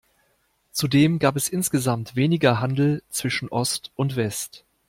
Zudem gab es insgesamt weniger Handel zwischen Ost und West.